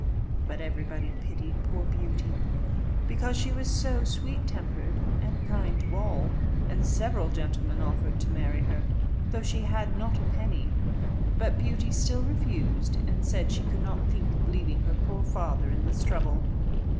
But everybody pitied poor Beauty, because she was so sweet tempered and kind to all, and several gentlemen offered to marry her, though she had not a penny; but Beauty still refused, and said she could not think of leaving her poor father in this trouble.